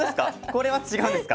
これは違うんですか。